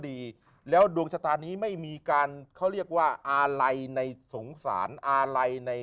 ดีแล้วดวงชะตานี้ไม่มีการเขาเรียกว่าอะไรในสงสารอะไรใน